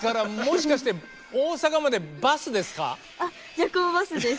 夜行バスです。